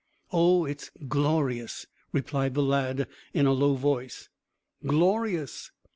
"Oh, it's glorious!" replied the lad in a low voice. "Glorious?"